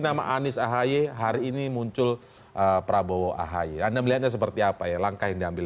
nama anies ahy hari ini muncul prabowo ahi anda melihatnya seperti apa ya langkah yang diambil